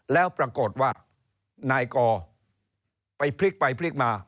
แล้วปรากฏว่านายกอไปพลิกไปพลิกมา